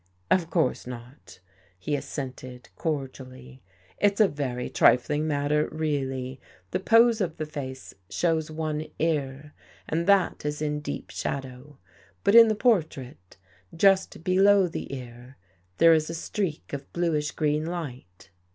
" Of course not," he assented cordially. " It's a very trifling matter, really. The pose of the face shows one ear, and that is in deep shadow. But in the portrait, just below the ear, there is a streak of bluish green light.